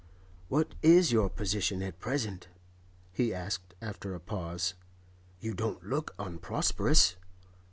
'What is your position, at present?' he asked, after a pause. 'You don't look unprosperous.